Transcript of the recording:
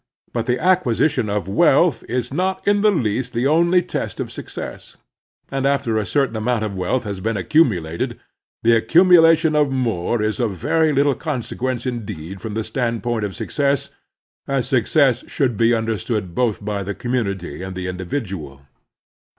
But the acquisition of wealth is not in the least the only test of success. After a certain amount of wealth has been acctunulated, the accumulation of more is of very little conse quence indeed from the standpoint of success, as lit The Strenuous Life success should be understood both by the com munity and the individual.